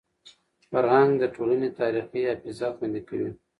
فرهنګ د ټولني تاریخي حافظه خوندي کوي.